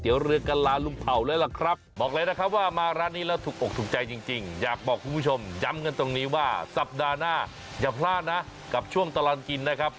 อย่าพลาดนะกับช่วงตลอดกินนะครับ